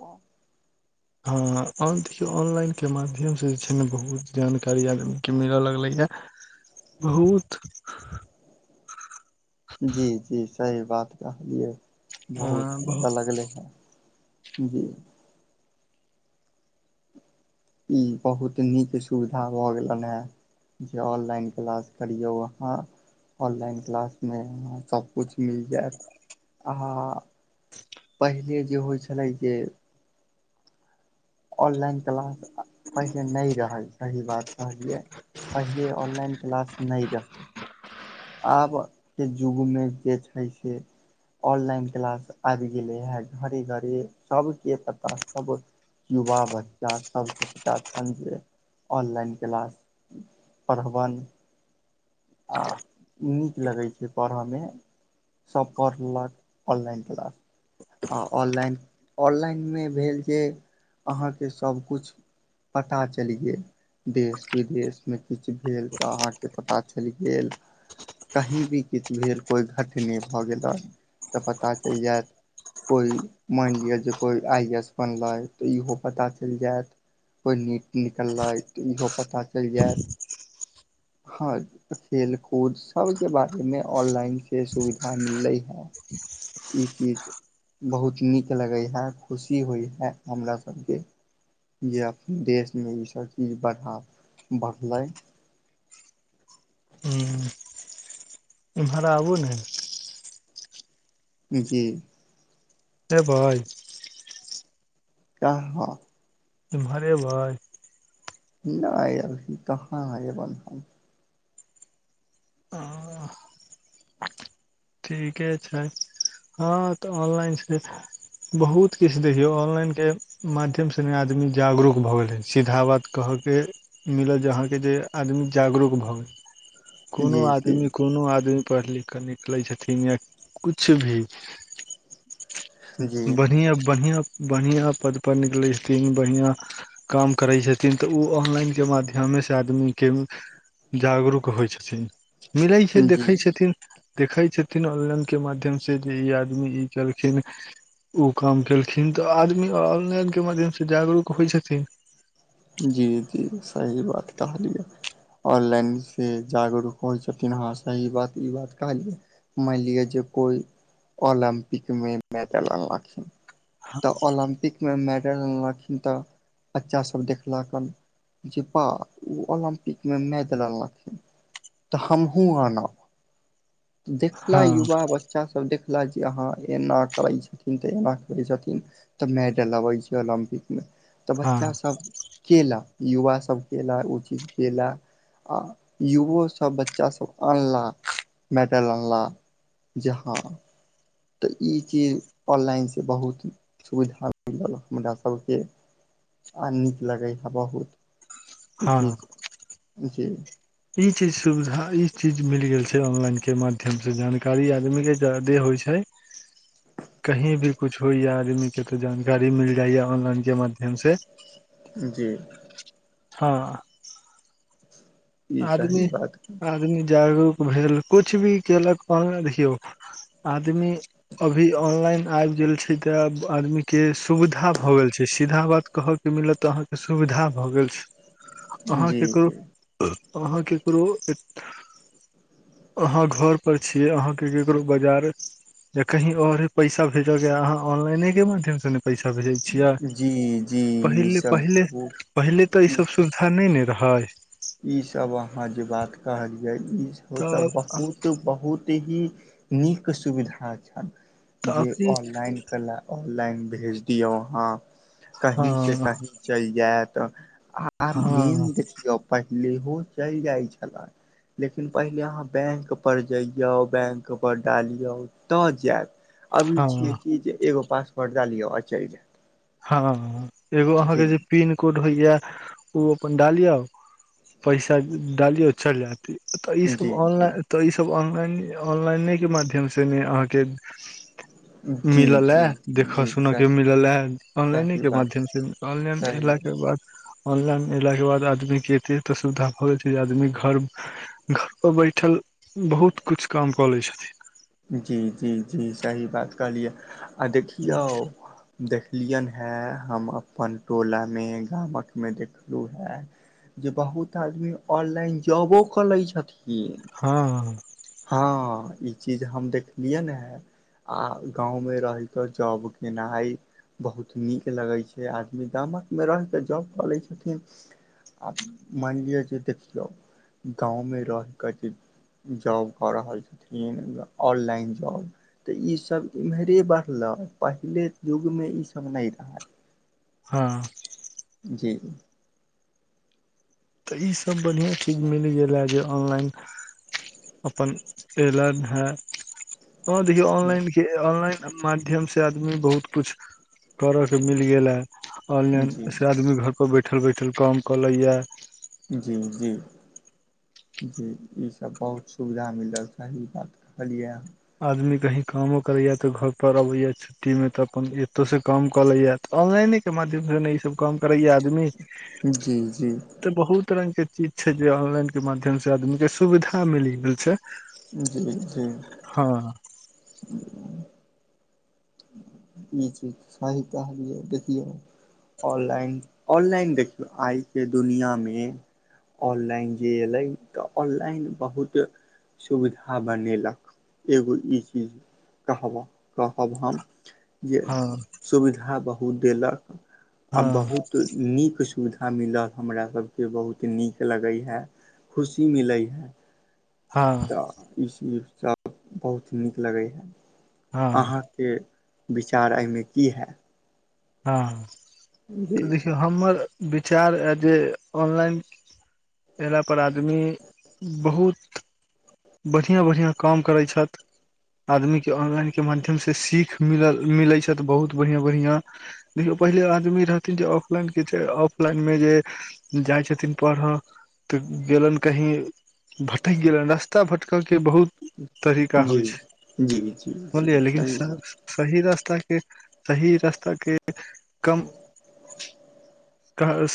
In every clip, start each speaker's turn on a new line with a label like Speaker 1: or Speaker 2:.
Speaker 1: ओ।
Speaker 2: हां आब देखियौ ऑनलाइन के माध्यम से जे छै ने बहुत जानकारी आदमी के मिला लगलैया। बहुत।
Speaker 1: जी-जी सही बात कहलियै,
Speaker 2: अ
Speaker 1: बहुत
Speaker 2: बहु
Speaker 1: मिला लागले हे। जी। ई बहुत नीक सुविधा भऽ गेलन हें। जे ऑनलाइन क्लास करियौ अहाँ, ऑनलाइन क्लास मे अहाँ सब कुछ मिल जाएत, आ हा हा पहिले जे होय छलै जे ऑनलाइन क्लास आ पहिले नै रहल, सही बात कहलियै पहिले ऑनलाइन क्लास नै रहै। आब के जुग मे जे छै से ऑनलाइन क्लास आएब गेलै हे घरे-घर, सब के पता सब युवा, बच्चा सबके पता छन जे ऑनलाइन क्लास पड़बन आ नीक लगै छै पढ़ा मे। सब पढ़लक ऑनलाइन क्लास। आ ऑनलाइन, ऑनलाइन मे भेल जे अहाँ के सब कुछ पता चैल गेल देश-विदेश मे किछ भेल तऽ अहाँ के पता च एल गेल। कहीं भी किछ भेल कोय घटने भऽ गेलै तऽ पता चैल जाएत। कोई मेन लियो जे कोय आई ए एस बनलै तऽ इहो पता चैल जाएत। कोई नीट निकलै तऽ इहो पता चैल जाएत। हां खेल-कूद सबके बारे मे ऑनलाइन से सुविधा मिललै हें। ई चीज बहुत नीक लगै हाए, खुशी होय हाए हमरा सबके। जे आब देश मे ई सब चीज बढ़ा बढ़लै।
Speaker 2: हुं इम्हर आबु नै।
Speaker 1: जी।
Speaker 2: एबै।
Speaker 1: का, हां।
Speaker 2: इम्हर एबै।
Speaker 1: नै अभी कहाँ एबन हम।
Speaker 2: अ ठीके छै हां तऽ ऑनलाइन से बहुत किछ देखियौ ऑनलाइन के माध्यम संगे आदमी जागरूक भऽ गेलै हन, सीधा बात कहअ के मिलत जे अहाँ के जे आदमी जागरूक भ गेल। कुनू
Speaker 1: जी जी
Speaker 2: आदमी, कुनू आदमी पढ़-लिख कऽ निकलै छथिन या कछु भी
Speaker 1: जी
Speaker 2: बढ़ियाँ-बढ़ियाँ, बढ़ियाँ पद पर निकलै छथिन बढ़ियाँ काम करै छथिन तऽ उ ऑनलाइन के माध्यमे से आदमी के जागरूक होइ छथिन मिलैय छै
Speaker 1: जी
Speaker 2: देखैय छथिन। देखै छथिन ऑनलाइन के माध्यम से जे ई आदमी ई केलखिन। ओ काम केलखिन तऽ आदमी ऑनलाइनके माध्यमसँ जागरूक होइ छथिन।
Speaker 1: जी जी सही बात कहलियै। ऑनलाइन से जागरूक होइ छथिन हँ सही बात ई बात कहलियै। मलिया जे कोइ ओलम्पिक मे मेदल अनलखीन तऽ ओलम्पिक मे मेडल अनलखिन तऽ बच्चा सब देखल ल कन जे बा ओ ओलम्पिकमे मैदल अनलखीन। तऽ हमहु आनब देखला
Speaker 2: हँ
Speaker 1: युवा बच् बच्चासब देखला जे हाँ एना करै छथिन तऽ एना करै छथिन। तऽ मेडल अबै छै ओलम्पिक मे तऽ
Speaker 2: हँ
Speaker 1: बच्चा सब केला युवासभ केला ओ चीज केला। युवोसभ बच्चासब अनला मेडल अनला। जे हाँ तऽ ई चीज ऑनलाइनसँ बहुत सुविधा मिलल हमरासब के। आ नीक लगाई है बहुत ई
Speaker 2: हँ
Speaker 1: चीज ई चीज
Speaker 2: ई चीज सुविधा ई चीज मिल गेल छै ऑनलाइन के माध्यम से जानकारी आदमी के जादे होइ छै कहीं भी कुछ होइ या आदमी के तो जानकारी मिल जाय या ऑनलाइन के माध्यम से।
Speaker 1: जी।
Speaker 2: हॉं।
Speaker 1: ई सही
Speaker 2: आदमी
Speaker 1: बात
Speaker 2: आदमी जागरूक भेल कुछ भी केलक ऑन देखियौ आदमी अभी ऑनलाइन आबि गेल छै तऽ आदमी के सुविधा भऽ गेल छै सीधा बात कहब मिलत त अहाँके सुविधा भऽ गेल छै अहाँ
Speaker 1: जी
Speaker 2: केकरो
Speaker 1: जी
Speaker 2: अहाँ केकड़ो अहाँ घर पर छियै अहाँके केकरो बाजारे जे कही औरे पैसा भेजऽ के या अहाँ ऑनलाइने के माध्यम से ने पैसा भेजै छियै
Speaker 1: जी जी ई
Speaker 2: पहिले
Speaker 1: सब
Speaker 2: पहिले पहिले तऽ ई सब सुविधा धा नहि ने रहैय।
Speaker 1: ईसभ अहाँ जे बात कहलिया ईसभ तऽ
Speaker 2: तब
Speaker 1: बहुत बहुत ही नीक सुविधा
Speaker 2: तऽ
Speaker 1: छनि जे
Speaker 2: अभी
Speaker 1: ऑनलाइन ऑनलाइन भेज दियौ अहाँ कहीसे
Speaker 2: हँ
Speaker 1: कही चलि जैत आ
Speaker 2: हँ
Speaker 1: मेन देखियौ पहिलेहो चलि जाइ छला लेकिन पहिले अहाँ बैंकपर जइऔ बैंकपर डालियौ तऽ जैत अभी छियै
Speaker 2: हँ
Speaker 1: कि जे एगो पासवर्ड डालियौ आ चइल जैत।
Speaker 2: हँ एगो अहाँके जे पिनकोड होइया ओ अपन डालियौ पैसा डालिऔ चलि जैत। तऽ ईसब
Speaker 1: जी जी
Speaker 2: ऑनलाइन तऽ ईसब ऑनलाइन ऑनलाइनेके माध्यमसँ ने अहाँके
Speaker 1: जी
Speaker 2: मिलल ला
Speaker 1: जी
Speaker 2: देखऽ
Speaker 1: जी
Speaker 2: सुन के
Speaker 1: सही
Speaker 2: मिलल ला ऑनलाइने
Speaker 1: सही
Speaker 2: के
Speaker 1: बात
Speaker 2: माध्यम से ऑनलाइन
Speaker 1: सही
Speaker 2: एलाक बाद ऑनलाइन एलाके बाद आदमी के एते त सुविधा भऽ गेल छै जे आदमी घर घर पर बैठल बहुत कुछु काम कऽ लै छथिन।
Speaker 1: जी जी जी सही बात कहलिया आ देखियौ देखलियनि हेँ हम अपन टोलामे गामकमे देखलहुँ हेँ जे बहुत आदमी ऑनलाइन जॉबो कऽ लैत छथिन।
Speaker 2: हॉं।
Speaker 1: हॉं ई चीज हम देखलियैन हे। आ गाँवमें रहि कऽ जॉब केनाइ। बहुत नीक लगैत छै, आदमी गाममे रहि कऽ जॉब कऽ लैत छथिन। आ मानि लिअ जे देखियो, गाँवमे रहिकेऽ जे जाॅ कऽ रहल छथिन, ऑनलाइन जॉब। तऽ ईसब इम्हरे बढ़ले, पहिले युग में ईसब नहि रहै।
Speaker 2: हॉं।
Speaker 1: जी।
Speaker 2: तऽ ई सब बढ़ियां चीज मिल गेले जे ऑनलाइन अपन एलै है, तऽ देखियौ ऑनलाइन के ऑनलाइन माध्यम से आदमी बहुत कुछ करे के मिल गेल है।
Speaker 1: जी जी
Speaker 2: ऑनलाइनसँ आदमी घर पर बैठल- बैठल काम कऽ लैए।
Speaker 1: जी- जी। जी ई सब बहुत सुविधा मिलल, सही बात कहलियै हे आहां।
Speaker 2: आदमी कही कामो करेया तऽ घर पर अबे या छुट्टी में तऽ अपन एतऽसँ काम कऽलैया, ऑनलाइनेके माध्यमसँ ने ई सब काम करैए आदमी।
Speaker 1: जी जी
Speaker 2: तऽ बहुत रंग के चीज छै जे, ऑनलाइन के माध्यम से आदमी के सुविधा मिल गेल छै।
Speaker 1: जी -जी।
Speaker 2: हँ।
Speaker 1: ह इ चीज सही कहलियै देखियौ। ऑनलाइन- ऑनलाइन देखियौ, आइके दुनिया में ऑनलाइन जे अयलै, तऽ ऑनलाइन बहुत सुविधा बनेलक, एगो ई चीज कहबह -कहब हम। जे
Speaker 2: हँ
Speaker 1: सुविधा बहुत देलक, आ
Speaker 2: हँ
Speaker 1: बहुत तऽ नीक सुविधा मिलल, हमरासभके बहुत नीक लगैए। खुशी मिलै हइ।
Speaker 2: हँ।
Speaker 1: तऽ ई चीज सभ बहुत नीक लगैया,
Speaker 2: हँ
Speaker 1: अहाँ के विचार एहिमे की हइ।
Speaker 2: हँ।
Speaker 1: जी।
Speaker 2: तऽ देखियौ हमर विचार यऽ जे ऑनलाइन एला पर आदमी बहुत बढ़िआँ- बढ़िआँ काम करैत छैत। आदमी के ऑनलाइन के माध्यम से, सीख मिलल- मिलै छै तऽ बहुत बढ़िया -बढ़िया। देखियौ पहिले आदमी रहथिन जे, ऑफलाइन के छै, ऑफलाइन मे जे जाइ छथिन परढ़ह, तऽ गेलनि कही भटैक गेलनि रस्त त्ता भटकऽ के बहुत तरीका
Speaker 1: जी
Speaker 2: होइ छै,
Speaker 1: जी जी जी
Speaker 2: समझलियै लेकिन
Speaker 1: बात
Speaker 2: सही रास्ता के, सही रास्ता के, कम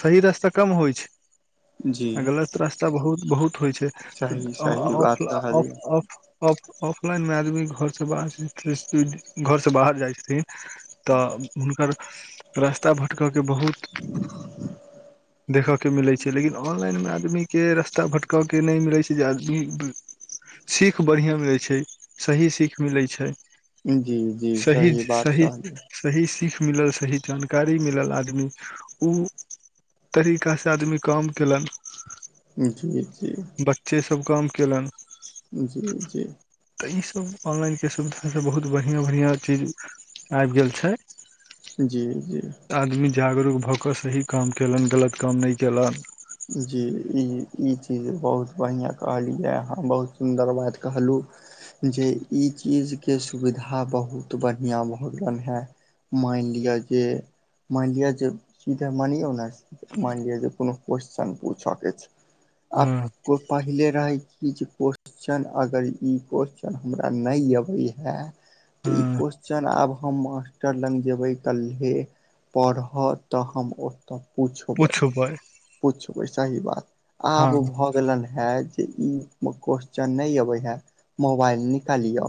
Speaker 2: सही रास्ता कम होइ छै।
Speaker 1: जी
Speaker 2: गलत रास्ता बहुत- बहुत होइ छै,
Speaker 1: सही
Speaker 2: ऑ
Speaker 1: सही बात
Speaker 2: -ऑफ-ऑफ
Speaker 1: कहलियै
Speaker 2: ऑफ ऑफलाइन में आदमी घर से [unintelligible] घर से बाहर जाय छथिन। तऽ हुनकर रास्ता भटकयके बहुत देखयके मिलै छै लेकिन ऑनलाइनमे आदमीके रस्ता भटकयके नहि मिलै छै जे आदमी सीख बढ़िआँ मिलैत छै। सही सीख मिलैत छै।
Speaker 1: जी जी सही बात कहली।
Speaker 2: सही सीख मिलल सही जानकारी मिलल आदमी ओ तरीकासँ आदमी काम कयलनि।
Speaker 1: जी -जी।
Speaker 2: बच्चे सभ काम कयलनि।
Speaker 1: जी- जी।
Speaker 2: तऽ ई सब ऑनलाइन के सुविधा से बहुत बढ़िया बढ़िया चीज आबि गेल छै।
Speaker 1: जी - जी।
Speaker 2: आदमी जागरूक भऽ कऽ सही काम कयलनि गलत काम नहि कयेलनि।
Speaker 1: जी ई ई चीज बहुत बढ़िआँ कहलियै अाँ बहुत सुन्दर बात कहलहुँ। जे ई चीजके सुविधा बहुत बढ़िआँ भऽ गेलनि हेँ। मानि लििया जे मानि लिअ जे सीधा मानौ ने मानि लिअ जे कोनो क्वेश्चन पूछऽ के छै आ
Speaker 2: हँ
Speaker 1: पहिले रहे की जे को - क्वेश्चन अगर ई क्वेेश्चन हमरा नहि ये बुझाय- तऽ ई
Speaker 2: हँ
Speaker 1: क्वस्चन आब हम मास्टर लग जेबै कल्हे। पढ़ऽ तऽ हम ओतऽ पूछबै।
Speaker 2: पुछबै
Speaker 1: पुछबै सही बात
Speaker 2: हँ
Speaker 1: आब भ हे जे इ मे क्वस्चन न अबे हे मोबाइल निकालियो।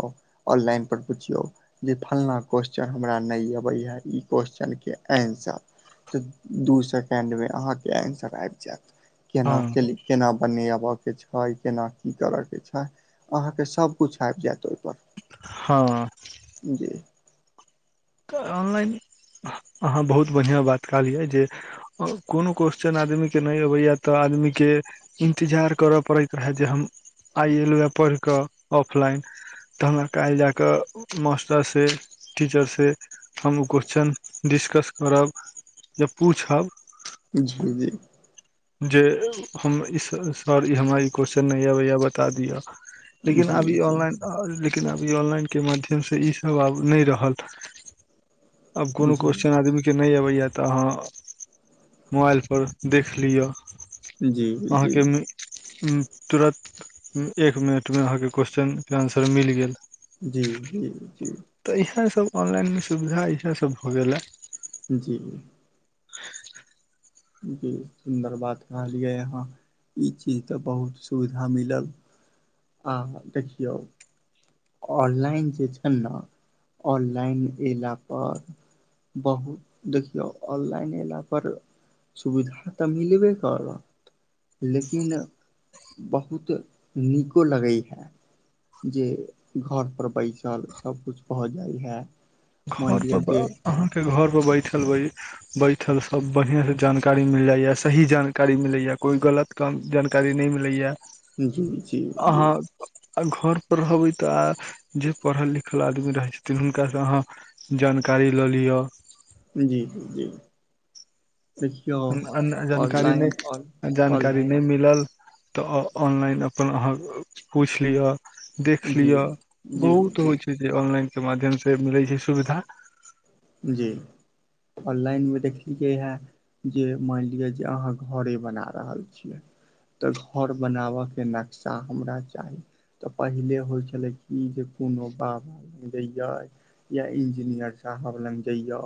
Speaker 1: ऑनलाइन पर पुछिियौ। जे फल्लाँ क्वेशचन हमरा नहि अबैए ई क्वस्चनके आन्सर। तऽ दू सेकेण्डमे अहाँके आन्सर आबि जायत केना
Speaker 2: हँ
Speaker 1: केली केना बनेबय के छै। केना की करय के छै। अहाँके सभकिछु आबि जायत ओहिपर।
Speaker 2: हँ।
Speaker 1: जी।
Speaker 2: ऑनलाइन अहाँ बहुत बढ़िआँ बात कहलियअ जे कोनो क्वेश्चन आदमी के नहि अबैया तऽ आदमी के इन्तजार करय पड़ैत रहए जे हम आइ एलहुँ हए पढ़ि कऽ ऑफलाइन। तऽ हमरा काल्हि जााकऽ मास्टरसँ टीचरसँ हम ओ क्वेेश्चन डिस्कस करब या पूछब।
Speaker 1: जी जी।
Speaker 2: जे हम ई सॉरी हमरा ई क्वेेश्चन नहि अबैए बता दिअ। लेकिन
Speaker 1: जी
Speaker 2: अब ई
Speaker 1: जी
Speaker 2: ऑनलाइन लेकिन अभी ऑनलाइनके माध्यमसँ ईसभ आब नहि रहल। अब कोनो
Speaker 1: जी
Speaker 2: क्वेस््चन आदमी के नय अबे या ते अहा मोबाइल पर देख लिअऽ
Speaker 1: जी जी
Speaker 2: अहाँके मि तुरन्त एक मिनटमे अहाँके क्वेेश्चनके आन्सर मिल गेल।
Speaker 1: जी जी जी।
Speaker 2: तऽ इहे सब ऑनलाइन मे सुविधा इएहे सभ भ गेले।
Speaker 1: जी जी।
Speaker 2: [inaudible]
Speaker 1: जी सुन्दर बात रहलियै अहाँ। ई चीज तऽ बहुत सुविधा मिलल आ देखियौ। ऑनलाइन जे छै न ऑनलाइन अयला प - - बहुत देखियौ ऑनलाइन अयला पर- - सुविधा तऽ मिलबे क रऽ। लेकिन बहुत नीको लगै है। जे घरपर बैसल सभकिछु भऽ जाइ या- -
Speaker 2: घरपर अहाँके घरपर बैठल बै बैठल सब बढ़िया से जानकारी मिल जाइया सही जानकारी मिलैया कोई गलत - - कम जानकारी नहि मिलै या- -
Speaker 1: जी- जी -जी- -
Speaker 2: आ घर पर रहबै तऽ आ जे पढ़ल लिखल आदमी रहै छथिन। हुनका से अहाँ जानकारी लऽ लिअ।
Speaker 1: जी- जी -जी। देखियौ
Speaker 2: जान जानकारी
Speaker 1: ऑनलाइन
Speaker 2: नहि -जानकारी नहि
Speaker 1: ऑनलाइन
Speaker 2: मिलल तऽ ऑनलाइन अपन अहाँ पूछि लिअ। देख
Speaker 1: जी
Speaker 2: लिअ
Speaker 1: जी
Speaker 2: बहुत
Speaker 1: जी
Speaker 2: होइ छै, जे ऑनलाइनके माध्यम से मिलैत छै सुविधा- -
Speaker 1: जी ऑनलाइन मे देखलियै है। जे मानि लिअ जे अहाँ घरे बना रहल छियै। तऽ घर बनाबयके नक्शा हमरा चाही। तऽ पहिले होइ छलै। कि जे कोनो पाप जेय या इंजीनियर साहब लग जइयौ।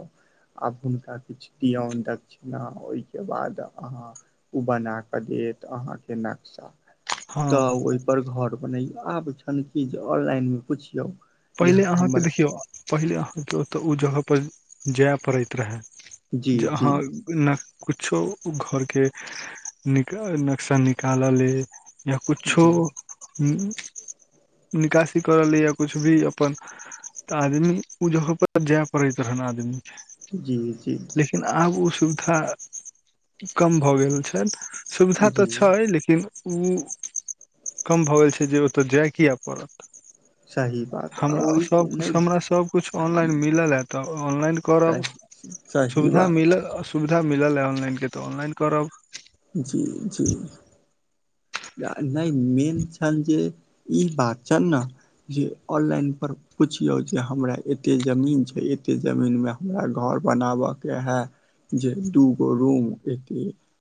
Speaker 1: आब हुनका किछु दक्षिणा ओहिके बाद अहाँ- - ओ बना कऽ देत अहाँके नक्शा
Speaker 2: हँ
Speaker 1: तऽ ओहिपर घर बनैयौ आब छनि कि जे ऑनलाइनमे पुछियौ। जे
Speaker 2: पहिले अहाँके
Speaker 1: हमर
Speaker 2: देखियौ पहिले अहाँके ओतऽ ओ जगहपर जाय पड़ैत रहै।
Speaker 1: जी
Speaker 2: जे
Speaker 1: जी
Speaker 2: अहाँ- - न कुछो घर के नक नक्शा निकालल ऐइ। या कुछो
Speaker 1: जी
Speaker 2: निकासी कर एले या कुछ- - वे अपन आदमी ओ जगह पर जाय पड़ैत रहन आदमी के- -
Speaker 1: जी -जी- -
Speaker 2: लेकिन आब ओ सुविधा कम भऽ गेल छैन। सुविधा तऽ
Speaker 1: जी
Speaker 2: छै लेकिन- - ऊ कम भऽ गेल छै जे ओतय जाय कििया पड़त।
Speaker 1: चाही बात, - -
Speaker 2: हमरा सब कुछ हमरा -सब कुछ ऑनलाइन मिलले तऽ ऑनलाइन- - करब
Speaker 1: सही सही
Speaker 2: सुविधा
Speaker 1: बात
Speaker 2: मिलल सुविधा मिलल ऑनलाइनके तऽ ऑनलाइन करब।
Speaker 1: जी -जी- - नहि मेन छनि जे ई बात छनि न- - जे ऑनलाइन पर पुछियौ जे हमरा एते जमीन छै, एते जमीन मे- - हमरा घर बनाबय के है जे दू गो रूम एके- -